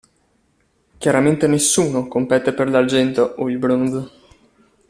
Chiaramente nessuno compete per l'Argento o il Bronzo.